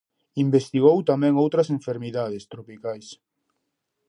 Investigou tamén outras enfermidades tropicais.